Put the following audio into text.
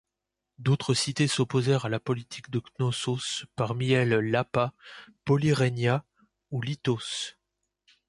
D'autres cités s'opposèrent à la politique de Knossos, parmi elles Lappa, Polyrrhenia ou Lyttos.